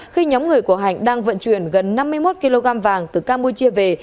khi nhóm người của hạnh đang vận chuyển gần năm mươi một kg vàng từ campuchia về